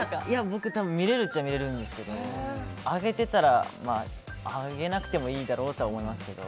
僕、見れるっちゃ見れるんですけど上げてたら上げなくてもいいだろうと思うんですけど。